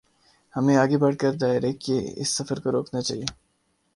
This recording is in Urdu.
ہمیں آگے بڑھ کر دائرے کے اس سفر کو روکنا چاہیے۔